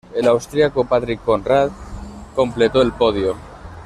El austriaco Patrick Konrad completó el podio.